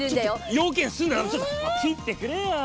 用件済んだらちょっと切ってくれよ。